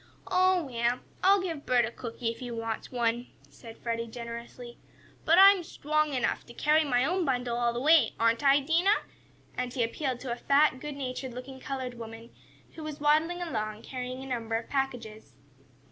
"Oh, well, I'll give Bert a cookie if he wants one," said Freddie, generously, "but I'm strong enough to carry my own bundle all the way; aren't I, Dinah?" and he appealed to a fat, good natured looking colored woman, who was waddling along, carrying a number of packages.